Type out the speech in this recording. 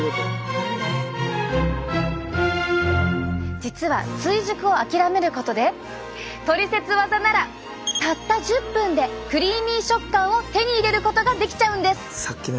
実は追熟を諦めることでトリセツワザならたった１０分でクリーミー食感を手に入れることができちゃうんです。